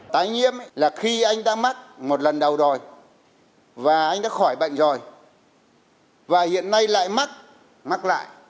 tái nhiễm là khi anh đã mắc một lần đầu rồi và anh đã khỏi bệnh rồi và hiện nay lại mắc mắc lại